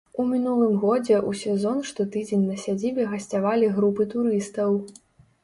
У мінулым годзе ў сезон штотыдзень на сядзібе гасцявалі групы турыстаў.